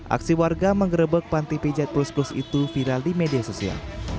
aksi warga menggerebek panti pijat plus plus itu viral di media sosial